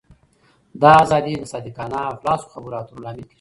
دا آزادي د صادقانه او خلاصو خبرو اترو لامل کېږي.